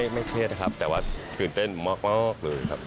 เครียดนะครับแต่ว่าตื่นเต้นมากเลยครับ